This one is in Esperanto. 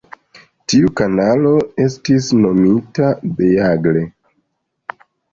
Tiu kanalo estis nomita Beagle.